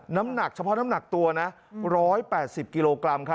น้ำหนักเฉพาะน้ำหนักตัวนะ๑๘๐กิโลกรัม